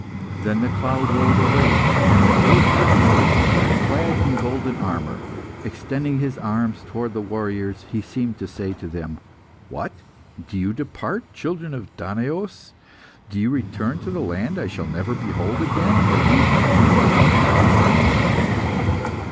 Then the cloud rolled away, and the ghost of Achilles appeared, clad in golden armour. Extending his arms towards the warriors, he seemed to say to them, "What! do you depart, children of Danaos? do you return to the land I shall never behold again, and leave my tomb without any offerings?"